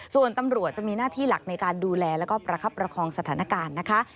ส่วนตำรวจจะมีหน้าที่หลักในการดูแลแล้วก็ประคับประคองสถานการณ์นะคะ